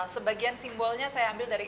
sebagian simbolnya saya ambil dari